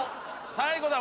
最後だ。